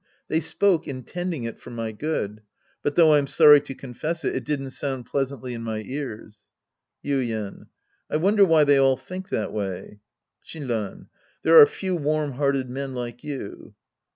They spoke intending it for my good. But, though I'm sony to confess it, it didn't sound pleasantly in my ears. Yuien. I wonder why they all think that way. Shinran. There are few warm hearted men like you.